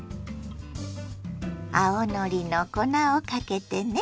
青のりの粉をかけてね。